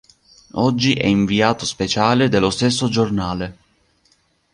Oggi è inviato speciale dello stesso giornale.